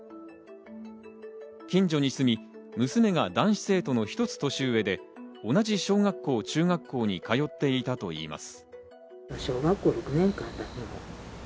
近所に住み、娘が男子生徒のひとつ年上で同じ小学校、中学校に通っていたといいます。